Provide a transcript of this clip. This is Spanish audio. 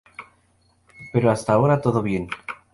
Pero hasta ahora, todo bien.